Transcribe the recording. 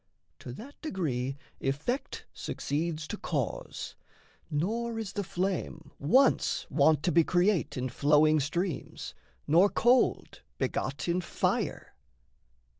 To that degree effect succeeds to cause, Nor is the flame once wont to be create In flowing streams, nor cold begot in fire.